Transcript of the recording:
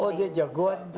oh dia jagoan